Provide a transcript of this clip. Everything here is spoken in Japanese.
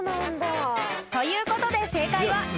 ということで正解は］